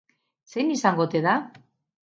Zein izango ote da?